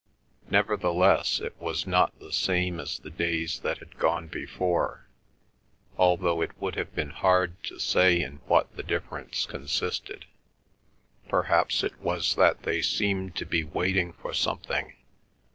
Nevertheless it was not the same as the days that had gone before, although it would have been hard to say in what the difference consisted. Perhaps it was that they seemed to be waiting for something.